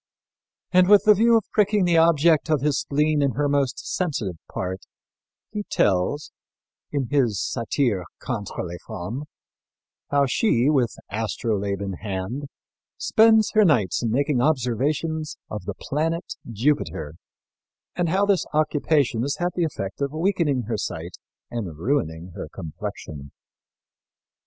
And with the view of pricking the object of his spleen in her most sensitive part, he tells, in his Satire contre les Femmes, how she, with astrolabe in hand, spends her nights in making observations of the planet Jupiter and how this occupation has had the effect of weakening her sight and ruining her complexion.